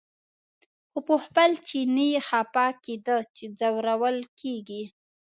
خو په خپل چیني خپه کېده چې ځورول کېږي.